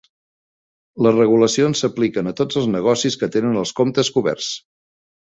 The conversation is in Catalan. Les regulacions s'apliquen a tots els negocis que tenen els "comptes coberts".